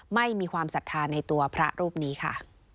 ไม่มีความศรัทธาในตัวพระรูปนี้ค่ะ